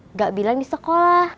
nggak bilang di sekolah